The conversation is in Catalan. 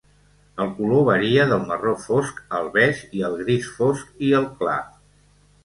El color varia del marró fosc, al beix, i al gris fosc i el clar.